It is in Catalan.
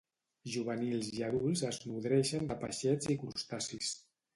Juvenils i adults es nodreixen de peixets i crustacis.